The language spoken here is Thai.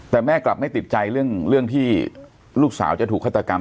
แต่แม่กลับไม่ติดใจเรื่องที่ลูกสาวจะถูกฆาตกรรม